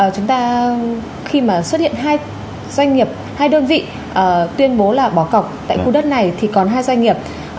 chúng ta khi mà xuất hiện hai doanh nghiệp hai đơn vị tuyên bố là bỏ cọc tại khu đất này thì còn hai doanh nghiệp